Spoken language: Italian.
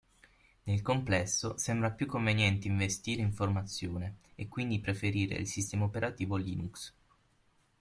Nel complesso sembra più conveniente investire in formazione, e quindi preferire il sistema operativo Linux.